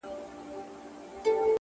o نو گراني ته چي زما قدم باندي،